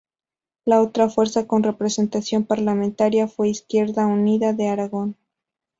La otra fuerza con representación parlamentaria fue Izquierda Unida de Aragón.